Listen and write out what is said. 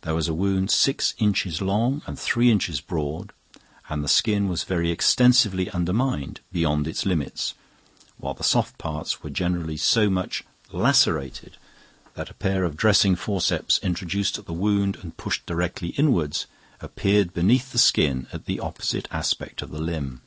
There was a wound six inches long and three inches broad, and the skin was very extensively undermined beyond its limits, while the soft parts were generally so much lacerated that a pair of dressing forceps introduced at the wound and pushed directly inwards appeared beneath the skin at the opposite aspect of the limb.